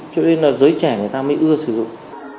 cho nên là giới trẻ người ta mới ưa sử dụng